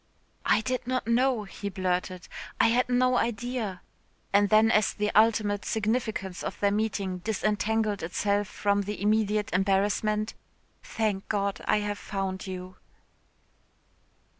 "I did not know," he blurted, "I had no idea," and then as the ultimate significance of their meeting disentangled itself from the immediate embarrassment, "Thank God, I have found you."